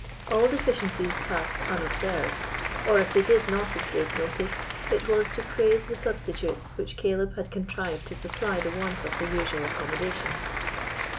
All deficiencies passed unobserved, or, if they did not escape notice, it was to praise the substitutes which Caleb had contrived to supply the want of the usual accommodations.